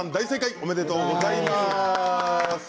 おめでとうございます。